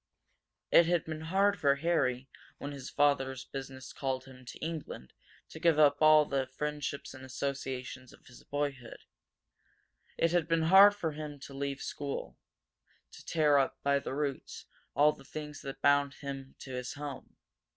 It had been hard for Harry, when his father's business called him to England, to give up a all the friendships and associations of his boyhood. Had been hard to leave school; to tear up, by the roots, all the things that bound him to his home.